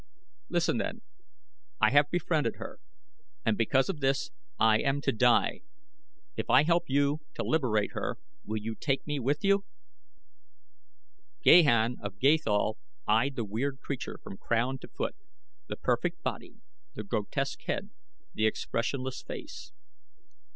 "Listen, then. I have befriended her, and because of this I am to die. If I help you to liberate her, will you take me with you?" Gahan of Gathol eyed the weird creature from crown to foot the perfect body, the grotesque head, the expressionless face.